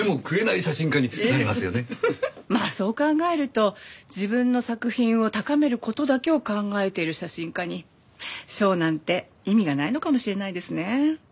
まあそう考えると自分の作品を高める事だけを考えてる写真家に賞なんて意味がないのかもしれないですね。